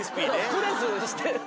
プレスしてる。